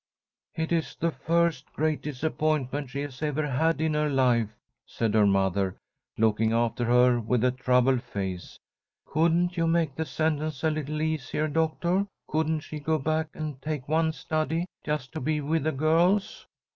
"It is the first great disappointment she has ever had in her life," said her mother, looking after her with a troubled face. "Couldn't you make the sentence a little easier, doctor? Couldn't she go back and take one study, just to be with the girls?"